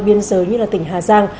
biên giới như là tỉnh hà giang